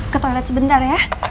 ke toilet sebentar ya